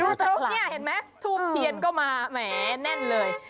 ตรงนี้เห็นไหมทูบเทียนก็มาแหมแน่นเลย